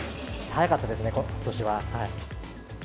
早かったですね、ことしは。